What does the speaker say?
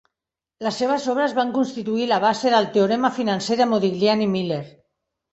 Les seves obres van constituir la base del "teorema financer de Modigliani-Miller"